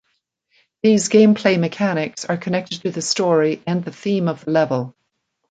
These gameplay mechanics are connected to the story and the theme of the level.